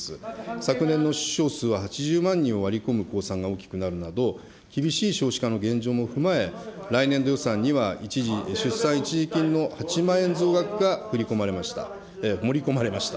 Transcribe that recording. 昨年の出生数は８０万人を割り込む公算が大きくなるなど、厳しい少子化の現状も踏まえ、来年度予算には出産一時金の８万円増額が振り込まれました、盛り込まれました。